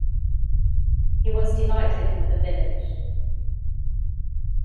He was delighted with the village.